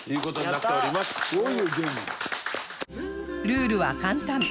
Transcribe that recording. ルールは簡単